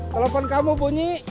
telepon kamu bunyi